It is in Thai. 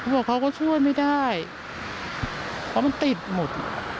บอกเขาก็ช่วยไม่ได้เพราะมันติดหมด